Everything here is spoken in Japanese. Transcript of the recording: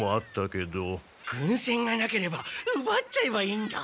軍船がなければうばっちゃえばいいんだ！